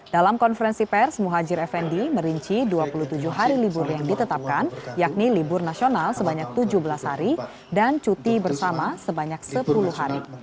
dalam konferensi pers muhajir effendi merinci dua puluh tujuh hari libur yang ditetapkan yakni libur nasional sebanyak tujuh belas hari dan cuti bersama sebanyak sepuluh hari